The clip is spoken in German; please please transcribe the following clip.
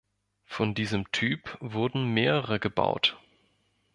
Von diesem Typ wurden mehrere gebaut.